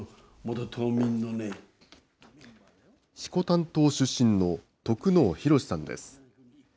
色丹島出身の得能宏さんです。